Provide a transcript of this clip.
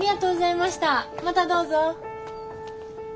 またどうぞ。